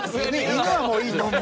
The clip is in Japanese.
犬はもういいと。